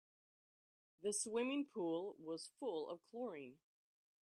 The swimming pool was full of chlorine.